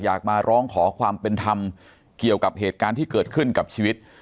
อยากมาร้องขอความเป็นธรรมเกี่ยวกับเหตุการณ์ที่เกิดขึ้นกับชีวิต